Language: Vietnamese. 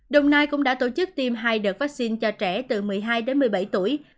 đồng nai cũng đã tổ chức tiêm hai đợt vaccine cho trẻ từ một mươi hai đến một mươi bảy tuổi